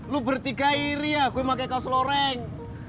lu bertiga iri ya gue pakai kaos loreng